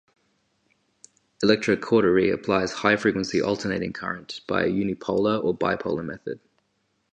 Electrocautery applies high frequency alternating current by a "unipolar" or "bipolar" method.